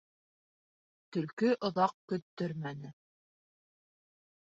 Төлкө оҙаҡ коттөрмәне.